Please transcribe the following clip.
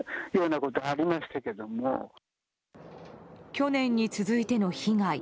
去年に続いての被害。